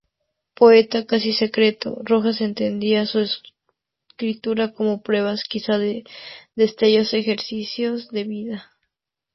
Poeta casi secreto, Rojas entendía su escritura como "pruebas, quizá destellos, ejercicios de vida.